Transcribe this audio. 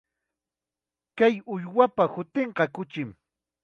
Kay uywapa hutinqa kuchim.